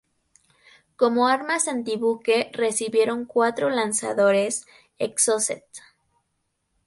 Como armas antibuque recibieron cuatro lanzadores Exocet.